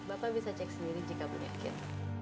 bapak bisa cek sendiri jika bu yakin